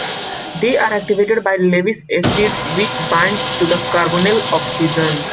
They are activated by Lewis acids, which bind to the carbonyl oxygen.